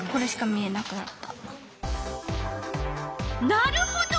なるほど。